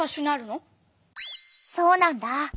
そうなんだ。